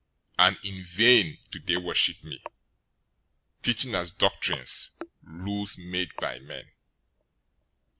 015:009 And in vain do they worship me, teaching as doctrine rules made by men.'"